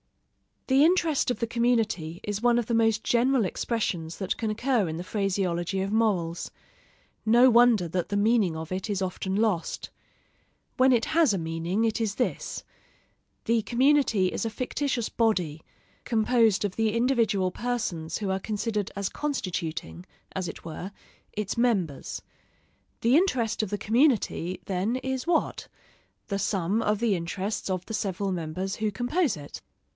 The interest of the community is one of the most general expressions that can occur in the phraseology of morals: no wonder that the meaning of it is often lost. When it has a meaning, it is this: The community is a fictitious body, composed of the individual persons who are considered as constituting, as it were, its members. The interest of the community, then, is what? The sum of the interests of the several members who compose it.